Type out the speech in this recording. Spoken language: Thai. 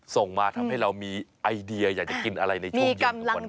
ส่งมาทำให้เรามีไอเดียอยากจะกินอะไรในช่วงเย็นทุกวันนี้